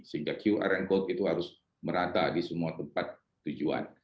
sehingga qr and code itu harus merata di semua tempat tujuan